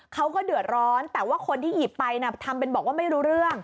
เขาก็เดือดร้อนแต่ว่าคนที่หยิบไปทำเป็นบอกว่าไม่รู้เรื่อง